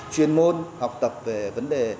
chuyên môn học tập về vấn đề